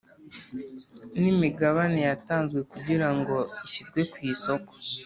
n imigabane yatanzwe kugira ngo ishyirwe ku isoko